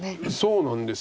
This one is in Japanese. そうなんです。